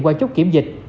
qua chốt kiểm dịch